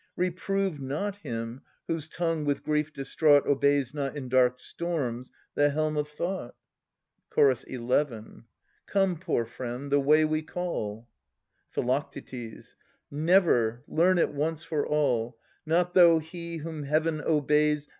Reprove not him, whose tongue, with grief distraught, Obeys not, in dark storms, the helm of thought! Ch. II. Come, poor friend, the way we call. Phi. Never, learn it once for all! Not though he, whom Heaven obeys.